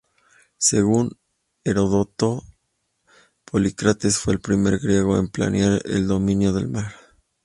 Según Heródoto, Polícrates fue el primer griego en planear el dominio del mar.